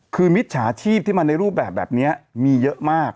คือมิจฉาชีพที่มาในรูปแบบแบบนี้มีเยอะมาก